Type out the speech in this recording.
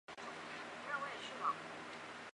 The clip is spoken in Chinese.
埃斯帕尔龙。